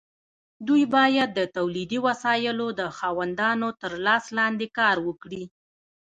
دوی باید د تولیدي وسایلو د خاوندانو تر لاس لاندې کار وکړي.